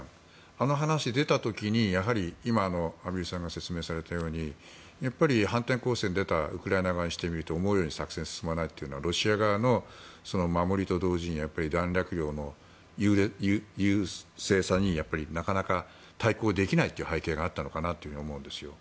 あの話が出た時に、やはり今の畔蒜さんが説明されたように反転攻勢に出たウクライナ側にしてみると思うように作戦が進まないのはロシア側の守りと同時にやっぱり弾薬量の輸入・生産になかなか対抗できないという背景があったのかなと思うんです。